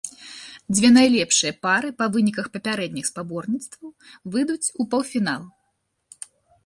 Дзве найлепшыя пары па выніках папярэдніх спаборніцтваў выйдуць у паўфінал.